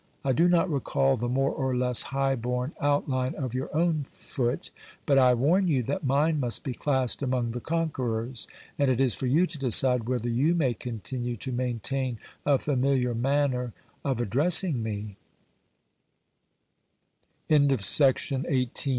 I do not recall the more or less high born outline of your own foot, but I warn you that mine must be classed among the conquerors, and it is for you to decide whether you may continue to maintain a familiar manner of address